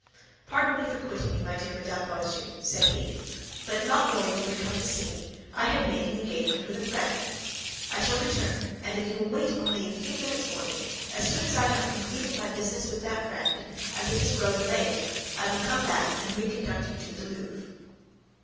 "Pardon me for quitting you, my dear Madame Bonacieux," said he; "but, not knowing you would come to see me, I had made an engagement with a friend. I shall soon return; and if you will wait only a few minutes for me, as soon as I have concluded my business with that friend, as it is growing late, I will come back and reconduct you to the Louvre."